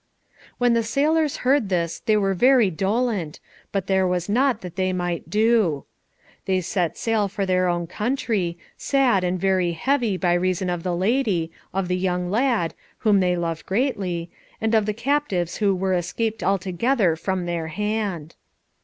When the sailors heard this they were very dolent, but there was naught that they might do. They set sail for their own country, sad and very heavy by reason of the lady, of the young lad, whom they loved greatly, and of the captives who were escaped altogether from their hand.